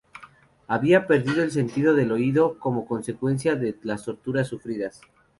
Había perdido el sentido del oído como consecuencia de las torturas sufridas.